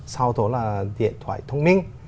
sau đó là điện thoại thông minh